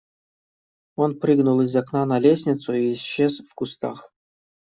Он прыгнул из окна на лестницу и исчез в кустах.